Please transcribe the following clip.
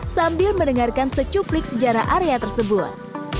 sambil mendengarkan secuplik sejarah area tersebut